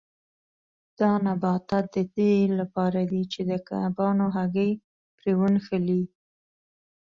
دا نباتات د دې لپاره دي چې د کبانو هګۍ پرې ونښلي.